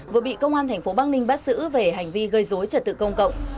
vừa bị công an tp bắc ninh bắt xử về hành vi gây dối trật tự công cộng